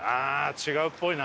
違うっぽいな。